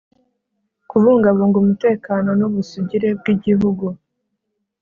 kubungabunga umutekano n'ubusugire bw'igihugu